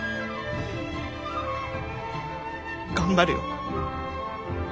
頑張るよ。